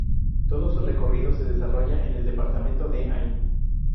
Todo su recorrido se desarrolla en el departamento de Ain.